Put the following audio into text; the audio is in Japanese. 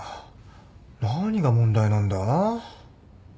何が問題なんだ？